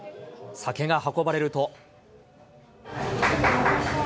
酒が運ばれると。